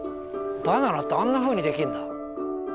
バナナってあんなふうにできるんだ。